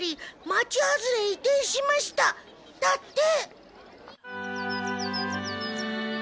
町外れへ移転しました」だって。